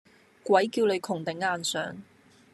鬼叫你窮頂硬上